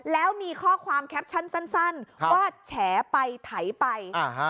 แล้วมีข้อความแคปชั่นสั้นว่าแฉไปไถไป